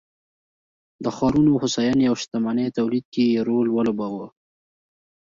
د ښارونو هوساینې او شتمنۍ تولید کې یې رول ولوباوه